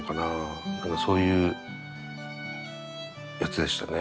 そういうやつでしたね。